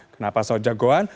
kenapa soejang goan